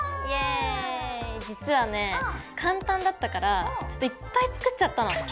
実はね簡単だったからちょっといっぱい作っちゃったの。